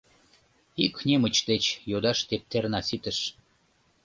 Ик немыч деч йодаш тептерна ситыш.